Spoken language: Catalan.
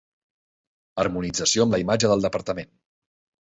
Harmonització amb la imatge del Departament.